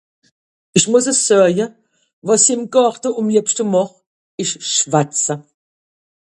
ìch mùss es soeje, wàs i ìm Gàrte àm liebschte màch ìsch schwatze.